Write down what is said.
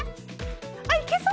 いけそう？